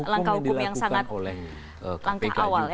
langkah hukum yang dilakukan oleh kpk